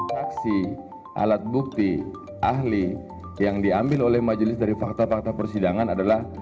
saksi alat bukti ahli yang diambil oleh majelis dari fakta fakta persidangan adalah